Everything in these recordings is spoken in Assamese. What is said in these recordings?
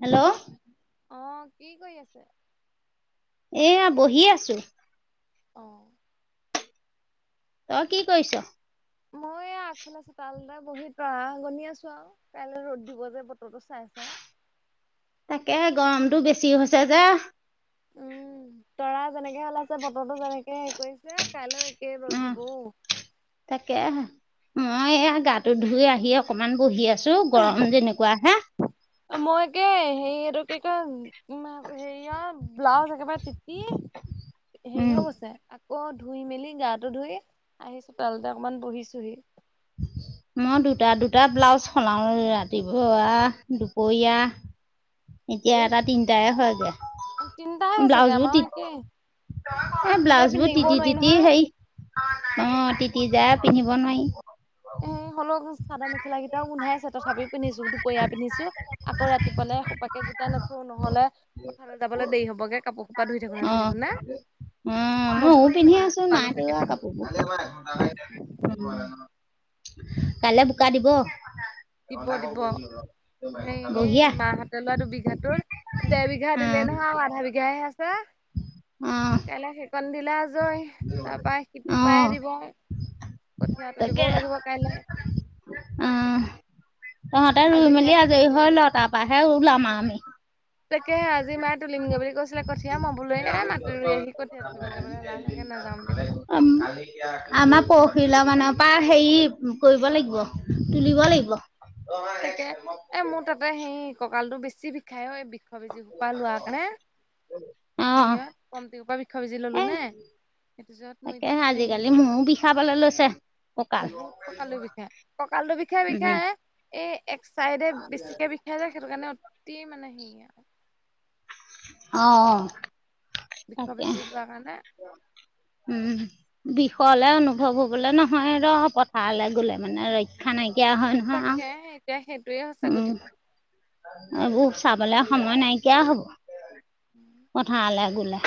হেল্ল'? অ কি কৰি আছে? এয়া বহি আছো। অহ। তই কি কৈছ? মই এ আগফালে চোতালতে বহি তৰা গনি আছো আও, কাইলৈ ৰ'দ দিব যে বতৰটো চাই চাই। তাকে গৰমতো বেছি হৈছে যে। উম তৰা যেনেকে ওলাইছে বতৰটো যেনেকে হেৰি কৰিছে কাইলৈ একে ৰ'দ উম দিবও তাকে আহা। মই এয়া গাটো ধুই আহি অকমান বহি আছো গৰম যেনেকোৱা হে। মই একে হেৰি এইটো কি কয় হেৰিয় ব্লাউজ একেবাৰে তিতি উম হেৰিও গৈছে আকৌ ধুই মেলি গাটো ধুই আহিছো তলতে অকমান বহিছোহি। উ [inaudible] মই দুটা দুটা ব্লাউজ সলাও ৰাতিপুৱা, দুপৰীয়া। এতিয়া এই এটা তিনটাই হয়গে, তিনটাই হৈছেগে ব্লাউজো আমাৰো তি একে এ তিতিলে ব্লাউজবোৰ পিন্ধি থাকিবও তিতি- নোৱাৰি তিতি নহয় সেই অ তি তি যায় পিন্ধিব নোৱাৰি। হলও চাদৰ- মেখেলা কেইটাও গোন্ধাই আছে তথাপিও পিন্ধিছো দুপৰীয়া পিন্ধিছো আকৌ ৰাতি পেলাই সোপাকে তালত ধু নহলে, পথাৰলৈ যাবলৈ দেৰি হ'বগে কাপোৰ খোপা ধুই থাকোতে অ ধুই থাকোতে। অ মইও বোলো পিন্ধি গোন্ধালো আছো পালো নাই থাকে তিওৱা কাপোৰবোৰ কাইলৈ বোকা দিব। অটা ক কৈছিলো ত হেই মাহতে লোৱা দুবিঘাটোৰ দেৰ বিঘা অ দিলে নহয় আৰু আধা বিঘাহে আ ছে অ কাইলে সেইকণ দি লে আজয় তাৰপা সিটো অ পাই দিব। কঠিয়া তাকে তুলিবও লাগিব কাইলে অ তহঁতে ৰুই মেলি আজৰি তুলিমগে হৈ ল তাৰ পৰাহে ওলাম আও আমি তাকে আজি মায়ে তুলিমগে বুলি কৈছিলে কঠীয়া মই বোলো মাটি ৰুই আহি কঠীয়া তুলিবলৈ যাবলৈ এলাহ লাগে নাযাওঁ বুলি ক'লো আমাৰ পৰহিলা মানৰ পৰা হেৰি কৰিব লাগিব। তুলিব লাগিব। তাকে যি বিখাই বৃক্ষ বেজি সোপা লোৱা কাৰণে অ সেয় কমটিৰ সুপা বৃক্ষ বেজি ললো এ নে তাপিছত মই এতিয়া স খাবাললৈ লৈছে। কঁকাল বহুত ককালো বিষা ককালটো বিষা ই উম বিষাই এই এক চাইডে বেছিকে বিষায় যায় সেইটো কাৰণে অতি মানে সেই আৰু। অ বিষৰ তাকে বেজি লোৱাৰ কাৰণে উম। বিষহলে অনুভৱ হবলৈ নহয় ৰ পথাৰলৈ গলে মানে ৰক্ষা নাই। চাকে এতিয়া হে উম, এইবোৰ চাবলে সময় নাইকিয়া হ'ব। পথাৰলে গোলে।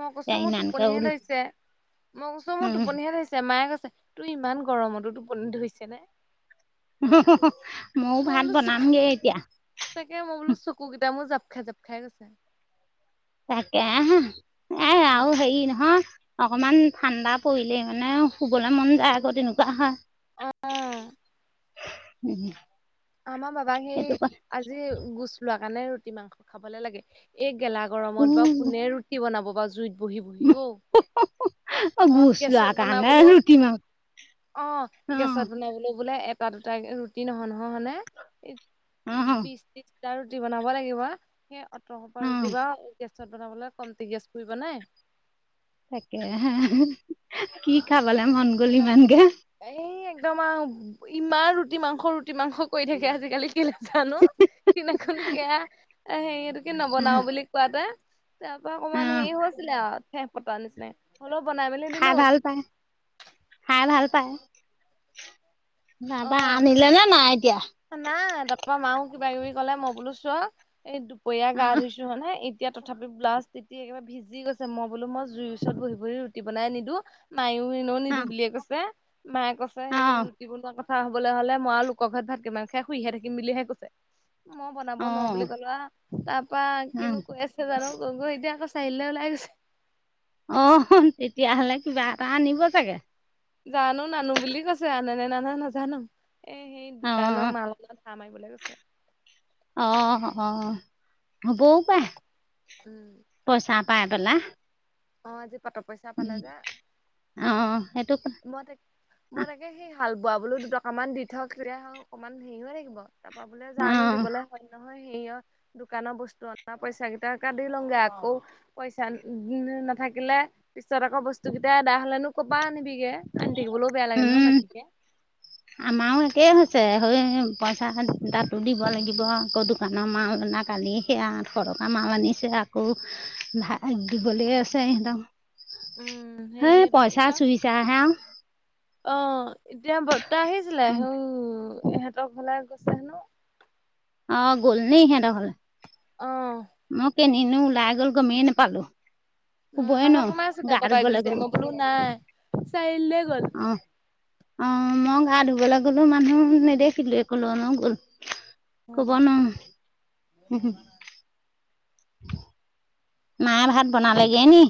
মই কৈছোঁ মোৰ টোপনিহে উল ধৰিছে, মই কৈছোঁ মোৰ টোপনিহে ধৰিছে মায়ে ক তোৰ ইমান গৰমতো টোপনি ধৰিছে নে? ময়ও মই ভাত বোলো চকু বনামগে এতিয়া তাকে মই বোলো চকুকেইটা মোৰ জাপ খাই জক খাই গৈছে। তাকে আহ এ আওঁ হেই নহয়। অকমান ঠাণ্ডা পৰিলেই মানে শুবলৈ মন যায় আকৌ তেনেকুৱা হয়। অ হম হ আমাৰ বাবাক সেই আজি গুচ লোৱা কাৰণে ৰুটি মাংস খাবলে লাগে। এই গেলা গৰমত বা কোনে উম, ৰুটি বনাব বা জুইত বহি বহিও অ গোচ গেছত লোৱাৰ কাৰণে বনাবলৈও ৰুটি মাংস অ গেছত বনাবলৈ বোলে এ এতা দু তা ৰুটি নহয় নহয়ন হয়নে অ বিশ ত্ৰিশ। যা ৰুটি বনাব লাগিব সেই অট পৰা অ ৰুটি বা ত বনাবলৈ কম গেছ পোৰিব নাই। থাকে। তাক এই একদম আৰু ইমান ৰুটি মাংস ৰুটি মি মাংস কৰি থাকে আজিকালি কি নাাজানো। [unintelligible] অ নবনাও বুলি কোৱাতে তাৰ পৰা অ অকমান হেৰি হৈছিলে ঠে পতাৰ নিচিননা হলেও বনাই মেলি খাই দিলো। ভাল পায় খাই ভাল পায়। অ নাপা আনিলে নে নাই এতিয়া। নাই তাৰপা মাও কিবা কিবি ক'লে মই বোলো চ এই দুপৰীয়া গা অ ধুইছো হ নে। তেতিয়া তথাপি ব্লাষ্ট তিতি একেবাৰে ভিজ গৈছে মই বোলো জুইৰ ওচৰত বহি বহি ৰুটি বনাই নিদি নাই কৈছে মায়ে কৈছে অ সেই ৰুটি বনোৱা কথা। কথা হ'বলৈ হলে মই আৰু লোকৰ ঘৰত ভাত কিমান খাই শুইহে থাকিম বুলিহে কৈছে। মই বনাব নোৱাৰো বুলি ক'লো হ তাৰপৰা অ কিনো কৈ আছে অ জানো গ এতিয়া আ চাৰি আলিলে ওলাই গৈছে। অ তেতিয়াহলে কিবা এটা আনিব চাগে। জানো নানো বুলি কৈছে আনে নে নানে নাজানো এ সেই অ দোকানৰ মালত ধাৰ মাৰিবলৈ গৈছে। অ অ বৌ পাই। উম পায় পেলা আজি পাটক উম অ সেইটো মই তাক মই তাকে সেই হাল বোৱা বোলো দুটকা মান দি থক তেতিয়া অকমান হেৰি হৈ থাকিব তাৰপা বোলে অ জানো দিবলে হয় ন নহয় সিয় দোকানৰ বস্তু অনা পইচা কেইট দি লওঁগে আকৌ পইচা নাথাকিলে পিছত আকৌ বস্তু কেইটা এদা হলেনো কপা আ নিনবিগে থাকিলৈও বেয়া লাগে নহয় উম বাকী কে আমাৰো একেই হৈছে হৈ পইচা তাতো দিব লাগিব আকৌ দোকানৰ মাল অনা কালি সেয়া আঠশ টকা আম আনিছিলে আকৌ ভাত দিবলৈ আছে সিহঁতক উম হে হেৰি এইটো কি পইচা কয় চুইছা হে আও অ এতিয়া বৰ্তা আহিছিলে উম ইহঁতৰ ঘৰলৈ গৈছে হেনো অ গ'লনি সিহতঁৰ ঘলে অ অ কেনিনো ওলাই গল মই গমেই নপালো। উ আমাৰ ঘৰত সোমাই আছে তাই বাবাইক বিচাৰি গ'লো মই বোলো নাই চাৰিআলিলৈ গ'ল। অ অ মই গা ধুবলৈ গলো মানুহ নেদেখিলো কলৈ নো গল। ক'ব নোৱাৰো। মায়ে ভাত বনালেগে নি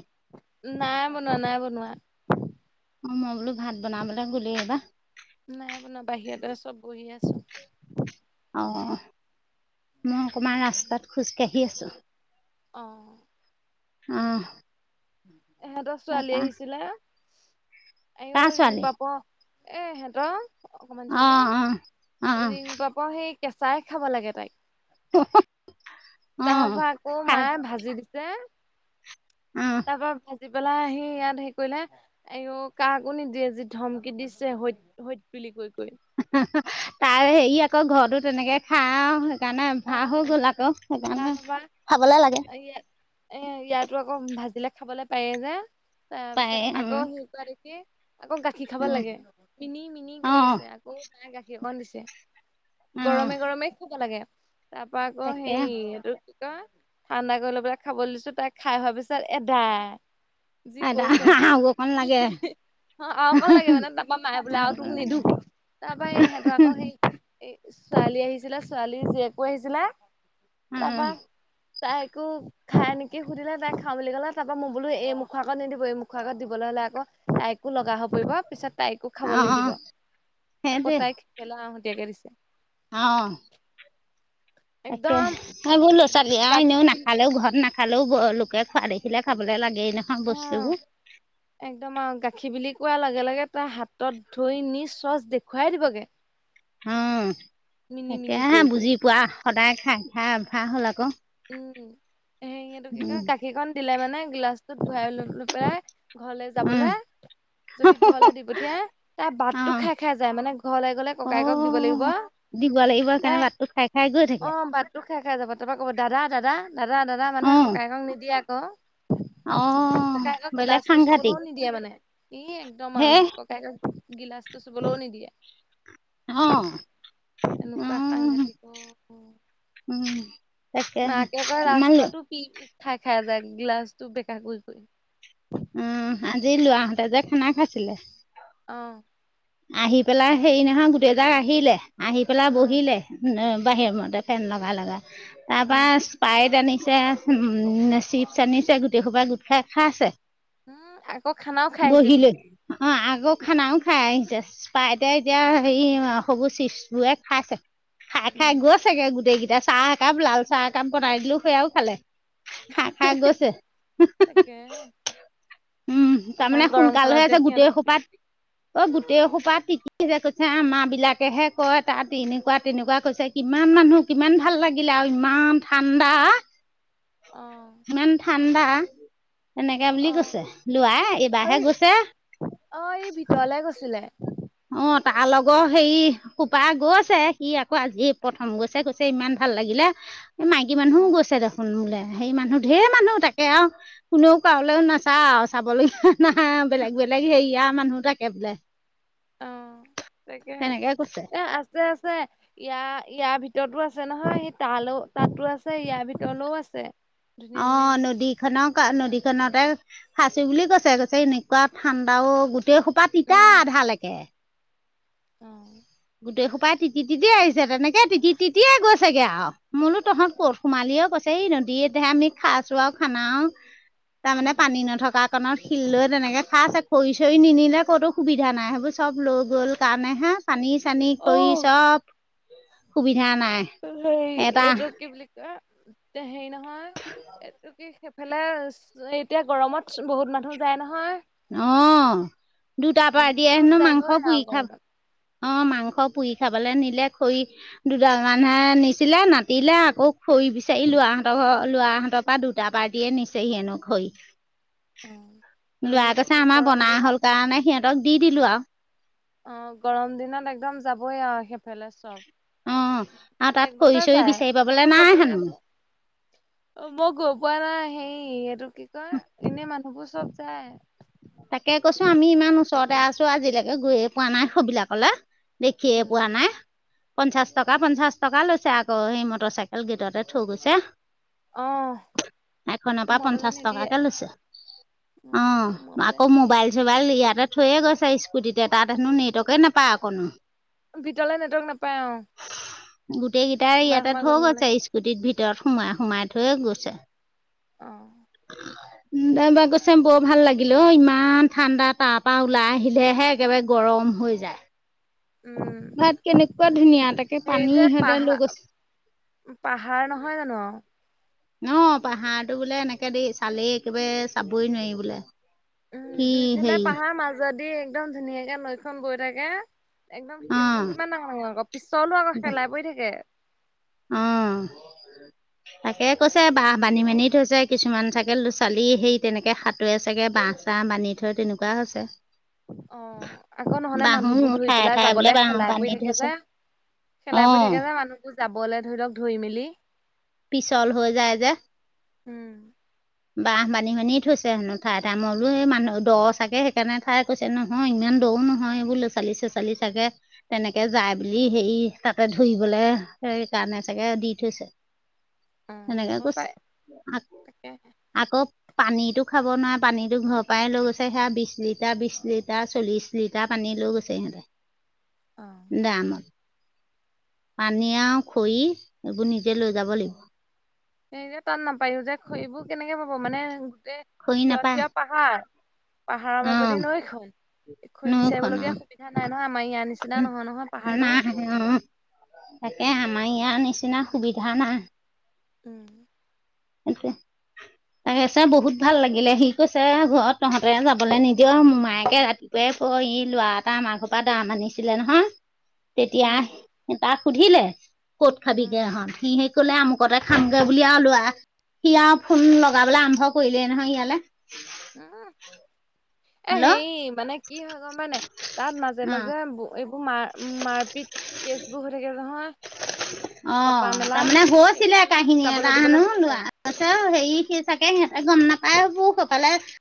নাই বনোৱা নাই বনোৱা। অ মই বোলো ভাত বনাবলৈ গ'লেই এইবাৰ নাই আপোনাৰ বাহিৰতে আছো বি আছো অ মই অকণমান ৰাস্তাত খোজ কাঢ়ি আছো আহ আহ এহেঁতৰ ছোৱালী আহিছিলে? আও কাৰ ৰিং ছোৱালী পাপৰ এহেঁতৰ অকমান অ অ অ ছোৱালী ৰিং পাপৰ সেই কেঁচাই খাব লাগে তাইক [inaudible] অ তাৰ পৰা আকৌ খাই মায়ে ভাজি দিছে অ তাৰ পৰা ভা জি পেলাই আহি ইয়াত সেৰি কৰিলে এই কাকো নিদিয়ে যি ধমকি দিছে সত সত [inaudible] তাই হেৰি আকৌ ঘৰতো তেনেকে খা সেইকাৰণে ভাহ হৈ গল আকৌ সেইকাৰণে তাৰপা খাবলে লাগে ইয়াত এ ইয়াতো আকৌ ভাজিলে খাবলে পায়েই যে তাৰপিছত পায় অ আকৌ সো দেখি আকৌ গাখীৰ খাব লাগে অ মিনি মিনি অ কৰি আছে আকৌ মাই গাখীৰ অকণ দিছে অ গৰমে গৰমে খাব লাগে তাৰ পৰা আকৌ তাকে সেই এইটো কি কয় ঠাণ্ডা কৰি লৈ পেলাই খাবলৈ দিছো তাই খাই হোৱা পিছত এদাই যি এ কৈছে আৰু অকন লাগে আৰু অকন লাগে মায়ে বোলে তোক তাৰপৰা মায়ে বোলে আৰু অকণ তোক নিদো লাগে তাৰ পৰা সিহঁতৰ আকৌ সেই এ ছোৱালী আহিছিলে ছোৱালী জীয়েকো আহিছিলে আহ তাইকো খাই নেকি সুধিলে তাই খাওঁ বুলি কলে তাৰপৰা মই বোলো এই মুখ আগত নিদিব এই মুখৰ আগত দিবলৈ হ'লে আকৌ তাইকো লগা হৈ পৰিব পিছত তাইকো অ', খাবলৈ নিদিব অ', আকৌ সেইটোৱে তাইক খাবলৈ আহতীয়াকে দিছে অ তাকে একদম এই বোৰ ল'ৰা ছোৱালী আৰু গাখীৰ এনেও বিল নাখালেও ঘৰত নাখ খালেও ব লোকে খোৱা দেখিলে খাবলে লাগে নহয় অ বস্তুবোৰ একদম আৰু গাখীৰ বুলি কোৱাৰ লগে লগে তাই হাতত ধৰি নি চচ দেখুৱাই দিবগে হম, মিনি মিনি এতিয়াহে কৰি কৰি বুজি পোৱা সদায় খাই -খাই অভ্যাস হ'ল আকৌ। উম, সেই সিটো কি কয় উম, গাখীৰ কন দিলে মানে গিলাচটো ঘূৰাই লৈ পেলাই ঘৰলে উম, যাবলে। যদি ঘৰলৈ দি পঠিয়াই তাই বাটটো অ', খাই -খাই যায় মানে ঘৰলৈ গলে ককায়েকক দিব লাগিব। অ'। দিব লাগিব তে সেইকাৰণে বাটটো খাই খাই গৈ থাকে অহ বাটটো খাই-খাই যাব তাৰপা ক ' দাদা- দাদা - দাদা -দাদা মানে আকৌ অ', ককায়েকক নিদিয়ে আকৌ। অ', ককায়েকক বেলেগ গ্লাছটো চুবলৈও সাংঘাতিক নিদিয়ে মানে ই একদম হে আৰু ককায়েক গিলাচটো চুবলও নিদিয়ে। অ', এনেকুৱা উম, সাংঘাতিক অহ [unintelligible] উম। তাকে মাকে আকৌ আমাৰ ল ৰাস্তাটো পি খাই -খাই যায় গিলাচটো বেকা কৈ কৈ।। উম, আজি লোৱা হতে যে খানা খাইছিলে। অ আহি পেলাই হেৰি নহয় গোটেইজাক আহিলে আহি পেলাই অ বহিলে বাহিৰ মতে ফেন লগা -লগাই তাৰপা উম স্পাইট্ৰআনি চে হম, চিপছ আনিছে গোটেই সোপা গোট খাই খাইছে। উম, আকৌ খানাও খাই আহিছে বুলে। অহ, আগ খানাও খায় আহিছে। পাইতে এতিয়া হে সৰু চিপছ বোৰে খাই থাকে খাই খাই উম গছাগে গোটেই কেইটা চাহ একাপ লাল চাহ একাপ বনাই দিলো সেয়াও খালে হা খাক গৈছে তাকে উম ইমান তাৰমানে গৰমখনত সোনকালহে যে আছে গোটেই সিহঁতক খোপাত অ গো কৈছে আম বিলাকেহে কয় তাত এনেকুৱা তেনেকুৱা কৈছে কিমান মানুহ কিমান ভাল? ভাল লাগিলে আৰু ইমান ঠাণ্ডা। আহ কমা এনেকে বুলি কৈছে লোৱা ঐ এইবাৰহে গৈছে। অ এই ভিতৰলে গৈছিলে [inaudible] অহ, তাৰ লগৰ হেৰি খোপা গৈছে সি আকৌ আজি প্ৰথম গৈছে গৈছে ইমান ভাল লাগিল। [unintelligible] এই মাইকী অ মানুহও গৈছে দেখোন বোলে। হেৰি মানুহ ঢেৰ মানুহ তাকে আৰু কোনেও কাৰোলৈও নাচায় আৰু চাবলগীয়া। নাহা বেলেগ -বেলেগ হেৰিয়া মানুহ থাকে বোলে। অ', তাকেহে তেনেকে কৈছে এ আছে -আছে ইয়াৰ ইয়াৰ ভিত ভিতৰতো আছে নহয় সি তালো তাতো আছে ইয়াৰ ভিতৰলৈও আছে। ধুনীয়া ধুনীয়া অ', আহি নদী আছে খন নদী খনতে ফাচি বুলি কৈছে কৈছে এনেকুৱা ঠাণ্ডা অহ গোটেই সোপা তিতা আধালৈকে। অহ গোটেই সোপাই তি- তি আহিছে তেনেকে তি- তি- তিতিয়ে গৈছে আওঁ মোলো তহঁত ক'ত সোমালি অহ কৈছে এই নদী এতিহে আমি খাইছো আৰু খানাও। তাৰমানে উম পানী নথকা কাৰণত শিল লৈ তেনেকে খাই আছে খৰি চৰি নিনিলে। ক'তো সুবিধা নাই সেইবোৰ চব লৈ গ'ল কাৰণে হে পানি চানী অ খৰি চব সুবিধা নাই এটা তে সেই নহয় এইটো কি এইফালে এতিয়া গৰমত বহুত মানুহ যায় নহয়। অ', দুটাৰ পৰা উম এতিয়া চব হেনো যাবই মাংস পুৰি আৰু খাব। গৰমত অ', মাংস পুৰি খাবলে নিলে খৰি দুডাল মানহে নিছিলে নাট তিলে আকৌ খৰি বিচাৰিলো আহহঁতৰ ঘৰত লৰা হঁতৰ পৰা দুটা পাৰ্টিয়ে নিছেহিয়েনো খৰি। উম, লৰা সেইটোটো কৈছে কি আমাৰ গৰম বনা দিনত হ'ল কাৰণে সিহঁতক দি দিলো আৰু। অহ, গৰম দিনত একদম যাবই আৰু সেইফালে চব। অ', আৰু তাত প্ৰত্যেক খৰি বছৰে চৰি যায় বিচাৰি পাবলে মই গৈ নাই পোৱা হেনো। বাৰু অ মই গৈ পোৱা নাই সেই এইটো কি কয় এনে মানুহবোৰ চব যায় তাকে কৈছো আমি ইমান ওচৰতে আছো আজিলৈকে গৈয়ে পোৱা নাই সবিলাকলে দেখিয়ে উম পোৱা নাই পঞ্চাশ টকা পঞ্চাশ টকা লৈছে আকৌ সিহত চাইকেল ভিতৰতে থৈ গৈছে। অ এখনৰ পৰা সোমাবলে পঞ্চাশ নিদিয়ে টকাকে লৈছে অ উম সোমাবলে আকৌ নিদিয়ে মোবাইল চোবাইল ইয়াতে থৈয়ে গৈছে স্কুটিতে তাত হেনো নেটৱৰ্কে নাপায় অকনো ভিতলে নেটৱৰ্ক নাপায় অ গোটেইকেইটাৰ সোমাই ইয়াতে সোমাই গৈ থৈ থাকিব গৈছে লাগে স্কুটিত ভিতৰত সোমাই সোমাই থৈ গৈছে আহ [unintelligible] চাই বৰ ভাল লাগে লাকিলে ইমান ঠাণ্ডা তাৰ পৰা ওলাই আহিলেহে একেবাৰে গৰম হৈ যায় উম ভাত কেনেকুৱা ধুনীয়া তাকে সেই পানী যে সদায় পাহাৰ লৈ গৈছে পাহাৰ নহয় জানো অ পাহাৰটো বোলে এনেকে দেই চালেই একেবাৰে চাবই নোৱাৰি বোলে উম কি দুইফালে হেৰি পাহাৰ মাজদি একদম ধুনীয়াকে নৈখন বৈ থাকে। একদম শিলবোৰ অ', কিমান ডাঙৰ আকৌ পিছলো আকৌ শেলাই পৰি থাকে। উম, তাকে কৈছে বাহ বান্ধি -বান্ধি থৈছে কিছুমান চাগে ল-ছোঁলী সেই তেনেকে হাতুৰে চাগে বাঁহ চাহ বান্ধি থয় তেনেকুৱা হৈছে। অহ, আকৌ নহলে বাঁহো মানুহবোৰ ধুই ঠায়ে পেলাই ঠায়ে বোলে যাবলে বাঁহ হেলাই পৰি বান্ধি থাকে থৈছে যে। অ হেলাই পৰি থাকে যে মানুহবোৰ যাবলৈ ধৰি লওঁক ধৰি মেলি। পিছল হৈ যায় যে। উম, বাঁহ বান্ধি -বান্ধি থৈছে হেনো ঠাই -ঠাই মই বোলো এই মানুহ দ ছাগে সেইকাৰণে ঠাই কৈছে নহয় ইমান দৌ নহয় এইবোৰ চালী চে চালি চাগে তেনেকে যায় বুলি হেৰি তাতে ধুৰিবলে সেই কাৰণে চাগে দি থৈছে অ', সেনেকে হ'ব কৈছে পাৰে তাকেহে আকৌ পানীটো খাব নোৱাৰে পানীতো ঘৰ পৰাই লৈ গৈছে সেয়া বিশ লিটাৰ বিশ লিটাৰ চল্লিছ বিশ লিটাৰ পানী লৈ গৈছে সিহঁতে অ', দামত পানী আৰু খৰি এইবোৰ নিজে লৈ যাব লাগিব সেই যে তাত নাপাও যে খৰিবোৰ কেনেকে পাব মানে গোটেই খৰি থিয় নাপায় থিয় পাহাৰ পাহাৰৰ অ মাজেদি নৈখন খৰি বিচাৰিব নৈখন অ লগীয়া সুবিধা নাই নহয় আমাৰ ইয়াৰ নিচিনা নহয় নহয় পাহাৰটো নাই অ তাকে আমাৰ ইয়াৰ নিচিনা সুবিধা নাই উম সেইটোৱেই তাকছে বহুত ভাল লাগিলে সি কৈছে ঘৰত তহঁতে যাবলৈ নিদিয় মায়েকে ৰাতিপুৱাই অ ই লৰা এটা আমাৰ ঘৰ পৰা দাম আনিছিলে নহয় উম, তেতিয়া তাক সুধিলে ক'ত উম। খাবিগে সি সেই কলে আমুকতে খামগে বুলিয়ে আও লৰা সিয় ফোন লগাবলৈ আৰম্ভ কৰিলে নহয় ইয়ালে হম এ হেল্ল' হেৰি মানে কি হয় গম পাই নাই তাত মাজে অ মাজে মাৰ মাৰ পিত কেচ বোৰ হৈ থাকে নহয় [unintelligible] অ কটা মেলা তাৰমানে সেইটো হৈছিলে কাৰণে মানে কাহানি যাবলৈ এটা দিবলৈ হেনো ভয় কৰে। লৰা হেৰি চাগে সিহঁতে গম নাপায় বোৰ সেইফালে